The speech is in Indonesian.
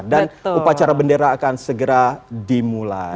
dan upacara bendera akan segera dimulai